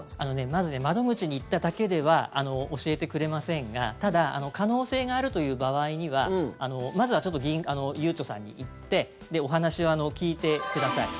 まず窓口に行っただけでは教えてくれませんがただ、可能性があるという場合はまずはゆうちょさんに行ってお話を聞いてください。